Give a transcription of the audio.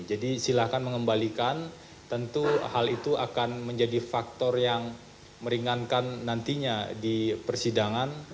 jadi silakan mengembalikan tentu hal itu akan menjadi faktor yang meringankan nantinya di persidangan